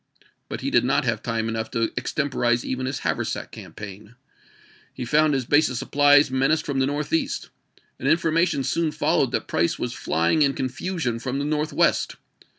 But he did not have time enough to extemporize even his haversack campaign. He found his base of supplies menaced from the northeast, and infor mation soon followed that Price was flying in con fusion from the northwest.